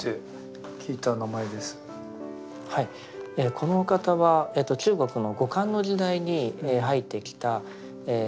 この方は中国の後漢の時代に入ってきた安息国。